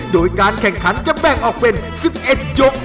โดยการแข่งขันจะแบ่งออกเป็น๑๑ยก